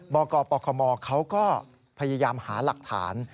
บกปคมเขาก็พยายามหาหลักฐาน